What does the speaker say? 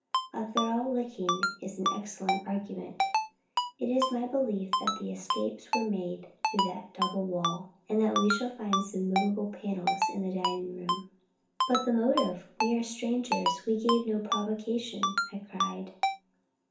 A thorough licking is an excellent argument. It is my belief that the escapes were made through that double wall, and that we shall find movable panels in the dining room." "But the motive! We are strangers; we gave no provocation," I cried.